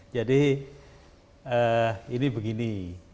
jadi ini begini